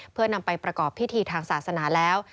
เพื่อนำไปประกอบพิธีทางศาสนาแล้ว